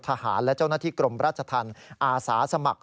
ทหารและเจ้าหน้าที่กรมราชธรรมอาสาสมัคร